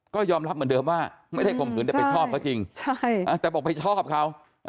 ก็ยอมรับเหมือนเดิมว่าไม่ได้ข่มขืนแต่ไปชอบเขาจริงแต่บอกไปชอบเขา